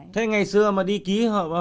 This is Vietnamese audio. thế ngày xưa mà đi ký